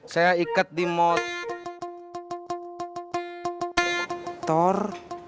saya iket di motor